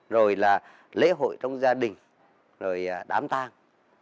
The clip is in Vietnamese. rồi là lễ hội trong gia đình rồi đám tang